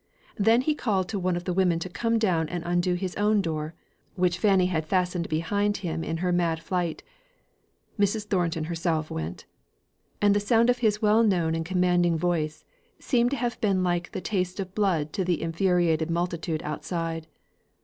Then he called to one of the women to come down and undo his own door, which Fanny had fastened behind her in her mad flight. Mrs. Thornton herself went. And the sound of his well known and commanding voice, seemed to have been like the taste of blood to the infuriated multitude outside.